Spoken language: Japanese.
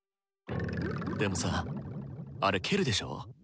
でもさぁあれ蹴るでしょ。